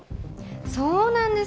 そうなんです。